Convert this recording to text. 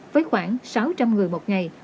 với khoảng sáu trăm linh người dân